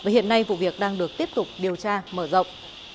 hiện nay vụ việc đang được tiếp tục điều tra mở rộng